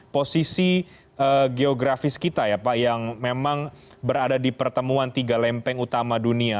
posisi geografis kita ya pak yang memang berada di pertemuan tiga lempeng utama dunia